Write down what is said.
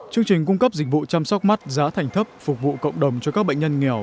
chương trình cung cấp dịch vụ chăm sóc mắt giá thành thấp phục vụ cộng đồng cho các bệnh nhân nghèo